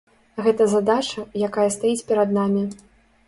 Гэта задача, якая стаіць перад намі.